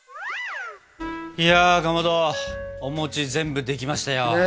いやかまどお餅全部できましたよ。